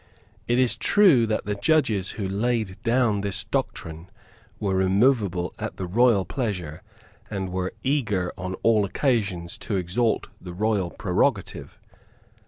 It is true that the judges who laid down this doctrine were removable at the royal pleasure and were eager on all occasions to exalt the royal prerogative.